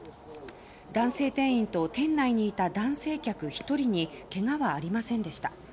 男性店員と店内にいた男性客１人にけがはありませんでした。